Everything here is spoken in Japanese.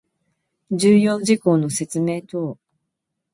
重要事項の説明等